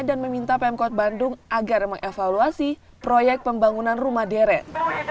dan meminta pemkot bandung agar mengevaluasi proyek pembangunan rumah deret